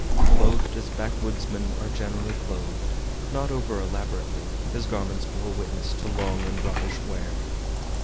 Clothed as backwoodsmen are generally clothed, not over elaborately, his garments bore witness to long and roughish wear.